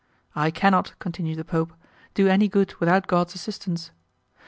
"I cannot," continued the Pope, "do any good without God's assistance."